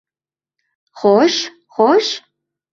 — xo‘sh-xo‘sh!